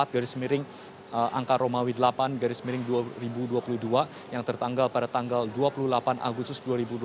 garis miring angka romawi delapan garis miring dua ribu dua puluh dua yang tertanggal pada tanggal dua puluh delapan agustus dua ribu dua puluh